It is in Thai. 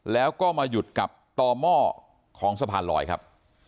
แล้วก็มาหยุดกับต่อหม้อของสะพานลอยครับ